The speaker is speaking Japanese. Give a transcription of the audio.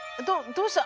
どうした？